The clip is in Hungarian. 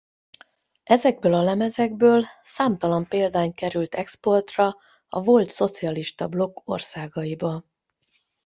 Ezekből a lemezekből számtalan példány került exportra a volt szocialista blokk országaiba.